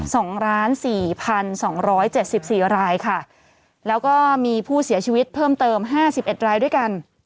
สองล้านสี่พันสองร้อยเจ็ดสิบสี่รายค่ะแล้วก็มีผู้เสียชีวิตเพิ่มเติมห้าสิบเอ็ดรายด้วยกัน